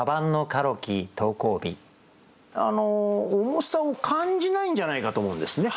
重さを感じないんじゃないかと思うんですね。